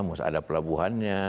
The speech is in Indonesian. mesti ada pelabuhannya